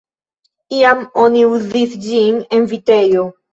Iam oni uzis ĝin en vitejo.